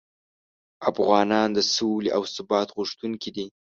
افغانان د سولې او ثبات غوښتونکي دي.